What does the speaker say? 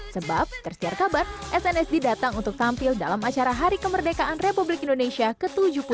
sebab tersiar kabar snsd datang untuk tampil dalam acara hari kemerdekaan republik indonesia ke tujuh puluh dua